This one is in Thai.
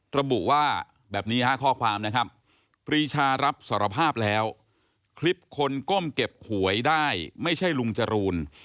ระบุว่าแบบนี้ฮะข้อความนะครับปรีชารับสารภาพแล้วคลิปคนก้มเก็บหวยได้ไม่ใช่ลุงจรูน